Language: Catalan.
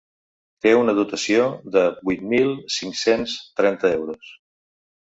Té una dotació de vuit mil cinc-cents trenta euros.